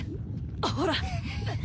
ほら。